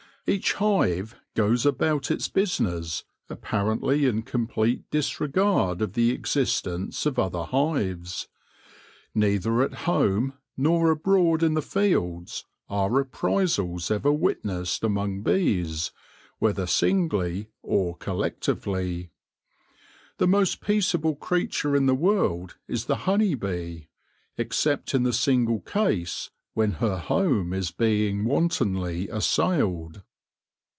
Each hive goes about its business, apparently in complete disregard of the existence of other hives. Neither at home, nor abroad in the fields, are reprisals ever witnessed among bees, whether singly or col lectively. The most peaceable creature in the world is the honey bee, except in the single case when her home is being wantonly assailed.